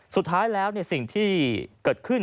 สุดท้ายแล้วสิ่งที่เกิดขึ้น